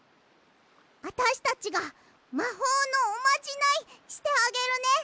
あたしたちがまほうのおまじないしてあげるね！